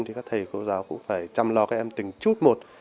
thì các thầy cô giáo cũng phải chăm lo các em từng chút một